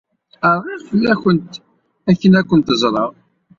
Rɣiɣ fell-awent akken ad kent-ẓreɣ.